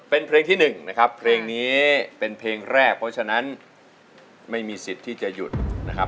เป็นเพลงที่๑นะครับเพลงนี้เป็นเพลงแรกเพราะฉะนั้นไม่มีสิทธิ์ที่จะหยุดนะครับ